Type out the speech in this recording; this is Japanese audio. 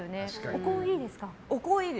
お香いいですか？